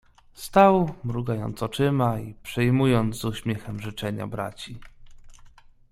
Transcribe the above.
"Stał mrugając oczyma i przyjmując z uśmiechem życzenia braci."